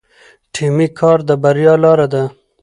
ټیمي کار د بریا لاره ده.